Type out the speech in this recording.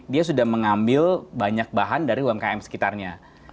dia sudah mengambil banyak bahan dari umkm sekitarnya